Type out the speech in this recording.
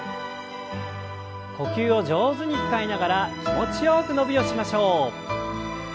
呼吸を上手に使いながら気持ちよく伸びをしましょう。